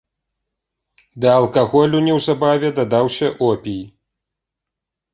Да алкаголю неўзабаве дадаўся опій.